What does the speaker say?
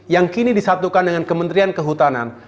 yang kini disatukan dengan kementerian kehutanan